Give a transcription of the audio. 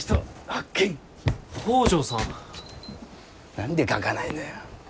何で書かないのよ。